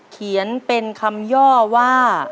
เขียนเป็นคำย่อว่า